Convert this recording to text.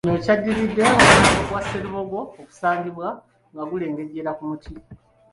Kino kyaddiridde omulambo gwa Sserubogo okusangibwa nga gulengejjera ku muti.